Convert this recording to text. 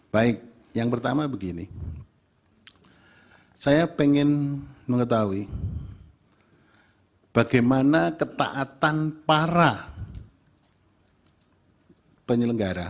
baik yang pertama begini saya ingin mengetahui bagaimana ketaatan para penyelenggara